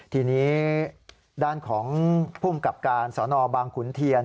ทีนี้ด้านของภูมิกับการสนบางขุนเทียน